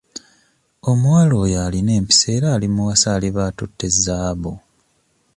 Omuwala oyo alina empisa era alimuwasa aliba atutte zaabu.